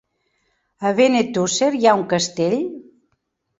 A Benetússer hi ha un castell?